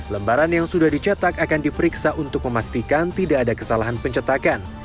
lembaran yang sudah dicetak akan diperiksa untuk memastikan tidak ada kesalahan pencetakan